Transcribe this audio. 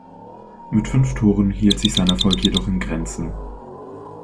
Mit fünf Toren hielt sich sein Erfolg jedoch in Grenzen.